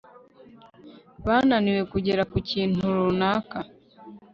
bananiwe kugera ku kintu runaka